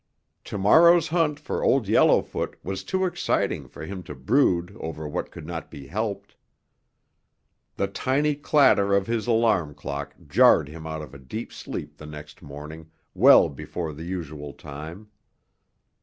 Tomorrow's hunt for Old Yellowfoot was too exciting for him to brood over what could not be helped. The tinny clatter of his alarm clock jarred him out of deep sleep the next morning well before the usual time.